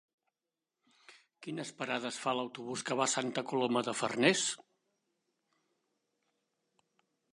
Quines parades fa l'autobús que va a Santa Coloma de Farners?